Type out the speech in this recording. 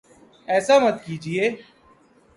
ایسا مت کیجیے